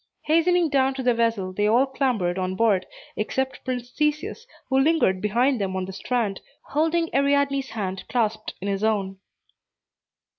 Hastening down to the vessel, they all clambered on board, except Prince Theseus, who lingered behind them on the strand, holding Ariadne's hand clasped in his own.